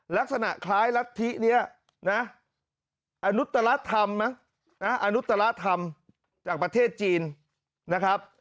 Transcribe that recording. ลักษณะคล้ายรัฐธินี้นะอนุตรธรรมนะอนุตรธรรมจากประเทศจีนนะครับ